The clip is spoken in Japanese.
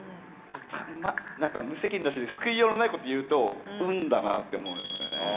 多分まぁなんか無責任だし救いようのないこと言うと運だなって思うよね。